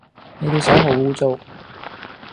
你對手好污糟